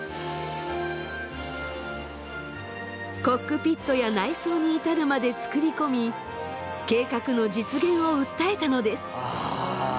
コックピットや内装に至るまで作り込み計画の実現を訴えたのです。